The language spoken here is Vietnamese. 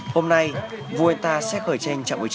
hôm nay vuelta sẽ khởi tranh chặng một mươi chín